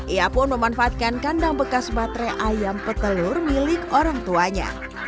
ia pun memanfaatkan kandang bekas baterai ayam petelur milik orang tuanya